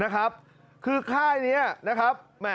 คือค่ายนี้นะครับ